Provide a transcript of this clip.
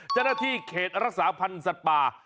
ใจหน้าที่เขตรักษาผันสัตว์ป่า